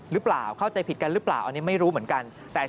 หรือเปล่าเข้าใจผิดกันหรือเปล่าอันนี้ไม่รู้เหมือนกันแต่